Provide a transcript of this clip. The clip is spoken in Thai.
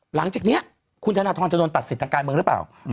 หลังจากนี้คุณธนทรจะโดนตัดสิทธิ์ทางการเมืองหรือเปล่า